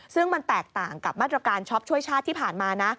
ซึ่งมันแตกต่างกับมาตรการช็อปช่วยชาติที่ผ่านมานะ